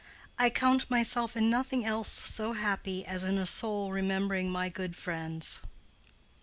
"I count myself in nothing else so happy As in a soul remembering my good friends."